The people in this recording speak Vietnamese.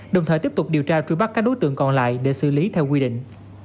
đồng thời tiếp tục điều tra truy bắt các đối tượng còn lại để xử lý theo quy định